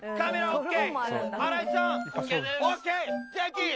ＯＫ！